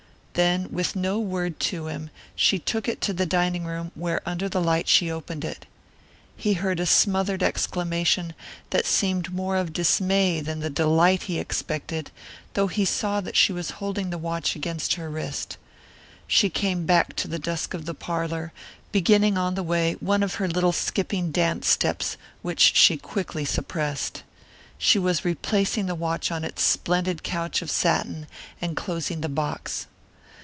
Then with no word to him she took it to the dining room where under the light she opened it. He heard a smothered exclamation that seemed more of dismay than the delight he expected, though he saw that she was holding the watch against her wrist. She came back to the dusk of the parlour, beginning on the way one of her little skipping dance steps, which she quickly suppressed. She was replacing the watch on its splendid couch of satin and closing the box.